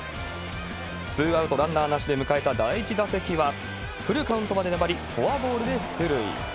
ツーアウト、ランナーなしで迎えた第１打席はフルカウントまで粘り、出塁。